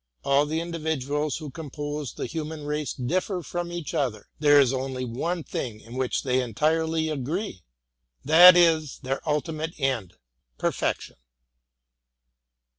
All the individuals who com pose the human race differ from each other; there is only one thing in which they entirely agree ;— that is, their ulti mate end — perfection.